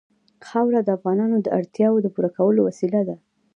خاوره د افغانانو د اړتیاوو د پوره کولو وسیله ده.